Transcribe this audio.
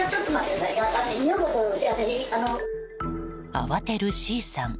慌てるＣさん。